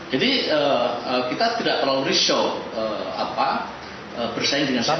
jadi kita tidak terlalu risau bersaing dengan sebagainya